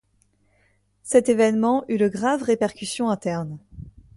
Cet évènement eut de graves répercussions internes.